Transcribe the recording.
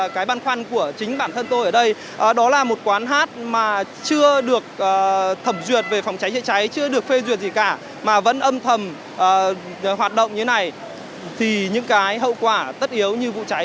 cảm ơn các bạn đã theo dõi hẹn gặp lại